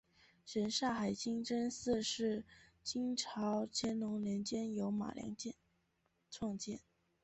什刹海清真寺是清朝乾隆年间由马良创建。